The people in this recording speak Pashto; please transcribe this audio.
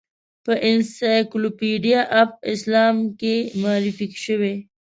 په انسایکلوپیډیا آف اسلام کې معرفي شوې.